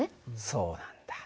そうなんだ。